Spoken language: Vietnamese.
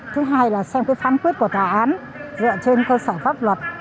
thứ hai là xem cái phán quyết của tòa án dựa trên cơ sở pháp luật